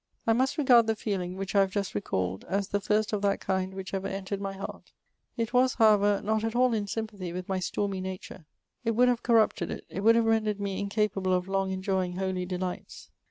I must regard the feeling which I have just recalled as the first of that kind which ever entered my heart ; it was, how ever, not at all in sympathy with my stormy nature ; it would have corrupted it; it would have rendered me incapable of long enjoying holy delights.